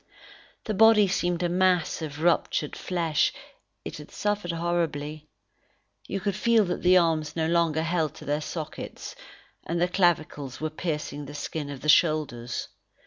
The body seemed a mass of ruptured flesh; it had suffered horribly. You could feel that the arms no longer held to their sockets; and the clavicles were piercing the skin of the shoulders.